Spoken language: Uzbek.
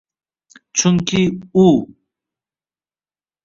Chunki u